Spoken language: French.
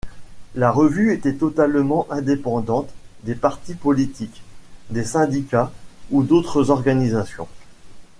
La revue était totalement indépendante des partis politiques, des syndicats ou d'autres organisations.